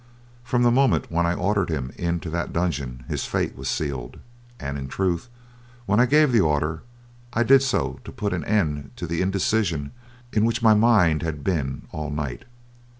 From the moment when I ordered him into that dungeon his fate was sealed, and in truth, when I gave the order I did so to put an end to the indecision in which my mind had been all night.